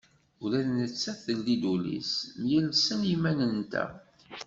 Ula d nettat teldi-yi-d ul-is, myelsen yimanen-nteɣ.